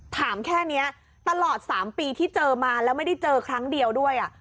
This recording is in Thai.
ถามแค่นี้ตลอด๓ปีที่เจอมาแล้วไม่ได้เจอครั้งเดียวด้วย